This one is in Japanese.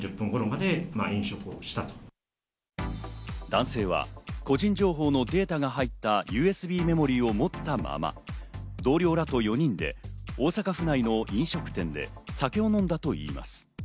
男性は個人情報のデータが入ったＵＳＢメモリーを持ったまま、同僚らと４人で大阪府内の飲食店で酒を飲んだといいます。